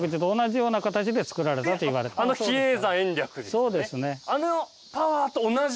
そうですね。